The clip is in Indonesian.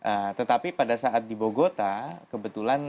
nah saya memang secara asal tidak di plan untuk berada di indonesia